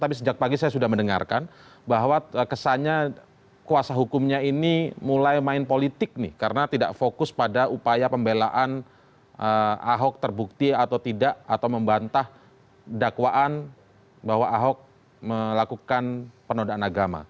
tapi sejak pagi saya sudah mendengarkan bahwa kesannya kuasa hukumnya ini mulai main politik nih karena tidak fokus pada upaya pembelaan ahok terbukti atau tidak atau membantah dakwaan bahwa ahok melakukan penodaan agama